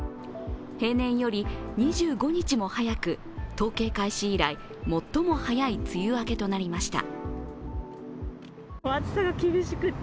平年より２５日も早く統計開始以来、最も早い梅雨明けとなりました。